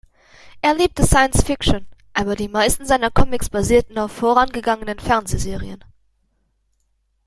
Er liebte Science Fiction, aber die meisten seiner Comics basierten auf vorangegangenen Fernsehserien.